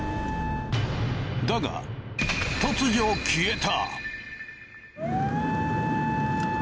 だが突如消えた！